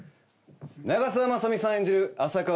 長澤まさみさん演じる浅川